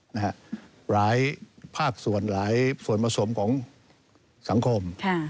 หลายภาคส่วนหลายส่วนผสมของสังคม